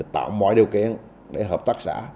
tạo mọi điều kiện để hợp tác xã